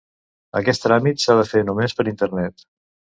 Aquest tràmit s'ha de fer només per Internet.